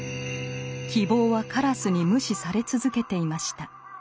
「希望」は鴉に無視され続けていました。